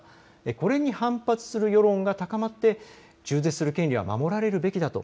これに反発する世論が高まって中絶する権利は守られるべきだと